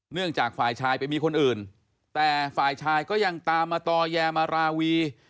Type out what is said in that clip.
จากฝ่ายชายไปมีคนอื่นแต่ฝ่ายชายก็ยังตามมาต่อแยมาราวี